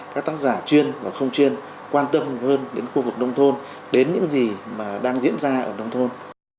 các tác giả chuyên và không chuyên quan tâm hơn đến khu vực nông thôn đến những gì mà đang diễn ra ở nông thôn